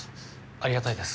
ありがたいです